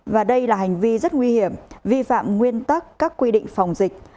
và đây là hành vi rất nguy hiểm vi phạm nguyên tắc các quy định phòng dịch